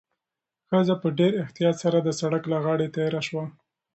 ښځه په ډېر احتیاط سره د سړک له غاړې تېره شوه.